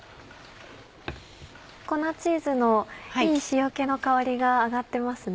粉チーズのいい塩気の香りが上がってますね。